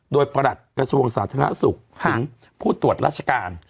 โดยประหลัดกระทรวงสาธารณสุขถึงผู้ตรวจราชการ